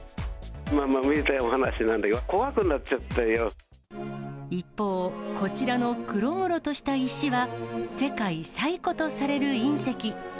本当にめでたいお話なんです一方、こちらの黒々とした石は、世界最古とされる隕石。